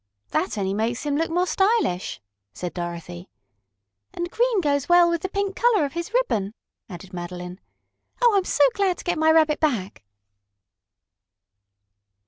"That only makes him look more stylish," said Dorothy. "And green goes well with the pink color of his ribbon," added Madeline. "Oh, I'm so glad to get my Rabbit back."